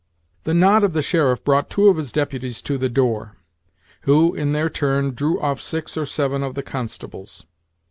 The nod of the sheriff brought two of his deputies to the door, who in their turn drew off six or seven of the constables.